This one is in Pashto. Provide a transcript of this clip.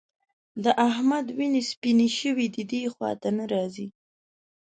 د احمد وینې سپيېنې شوې دي؛ دې خوا ته نه راځي.